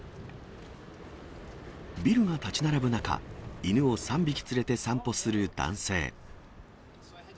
ビルが建ち並ぶ中、犬を３匹連れて散歩する男性。